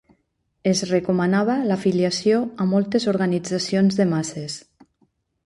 Es recomanava l'afiliació a moltes organitzacions de masses.